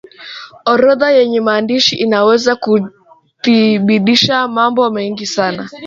orodha yenye maandishi inaweza kuthibitisha mambo mengi sana